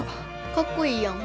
かっこいいやん。